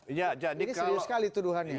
ini serius sekali tuduhannya